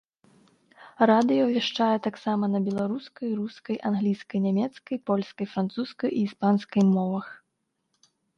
Радыё вяшчае таксама на беларускай, рускай, англійскай, нямецкай, польскай, французскай і іспанскай мовах.